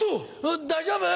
大丈夫？